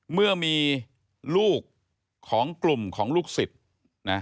เมื่อมีลูกของกลุ่มของลูกศิษย์นะ